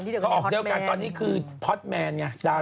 ตอนนี้คือพัฒเน่ง